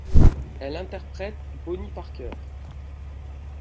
Elle interprète Bonnie Parker.